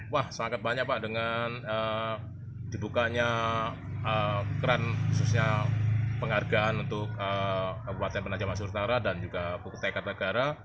wah sangat banyak pak dengan dibukanya kran khususnya penghargaan untuk kabupaten penajam pasar utara dan juga bukit tktg